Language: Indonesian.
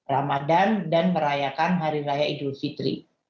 ramadan dan merayakan hari raya idul fitri